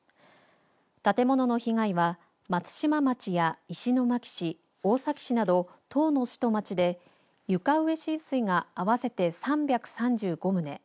建物の被害は松島町や石巻市大崎市など１０の市と町で床上浸水が合わせて３３５棟